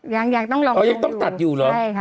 ยังยังต้องรออ๋อยังต้องตัดอยู่เหรอใช่ค่ะ